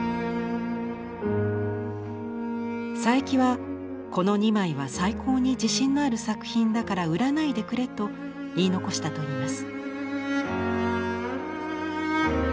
佐伯はこの２枚は最高に自信のある作品だから売らないでくれと言い残したといいます。